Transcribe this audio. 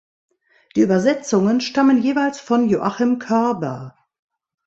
Die Übersetzungen stammen jeweils von Joachim Körber.